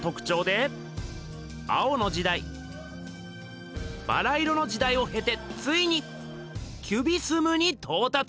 「青の時代」「バラ色の時代」をへてついに「キュビスム」にとうたつ！